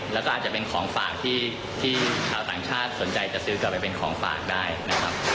แล้วก็อาจจะเป็นของฝากที่ชาวต่างชาติสนใจจะซื้อกลับไปเป็นของฝากได้นะครับ